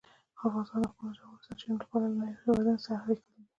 افغانستان د خپلو ژورو سرچینو له پلوه له هېوادونو سره اړیکې لري.